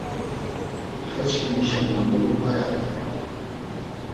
Xeçkimişen na mulun aya ren.